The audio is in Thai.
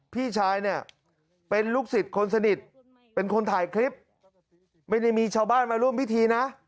พี่ชายเนี่ยเป็นลูกศิษย์คนสนิทเป็นคนถ่ายคลิปไม่ได้มีชาวบ้านมาร่วมพิธีนะ